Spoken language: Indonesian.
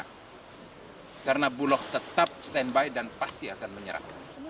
karena bulog tetap stand by dan pasti akan menyerap